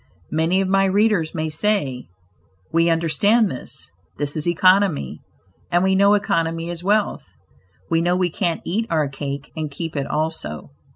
Many of my readers may say, "we understand this: this is economy, and we know economy is wealth; we know we can't eat our cake and keep it also."